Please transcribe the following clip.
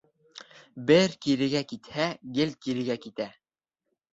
Бер кирегә китһә, гел кирегә китә.